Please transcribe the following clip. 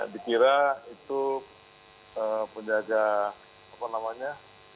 dikira itu penjaga apa namanya